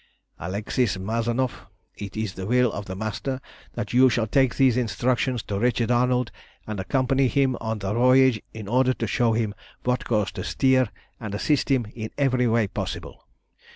"Alexis Mazanoff, it is the will of the Master that you shall take these instructions to Richard Arnold and accompany him on the voyage in order to show him what course to steer, and assist him in every way possible.